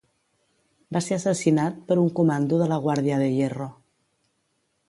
Va ser assassinat per un comando de la Guardia de Hierro.